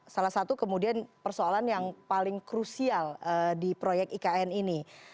salah satu kemudian persoalan yang paling krusial di proyek ikn ini